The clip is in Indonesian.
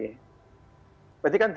berarti kan tiga hari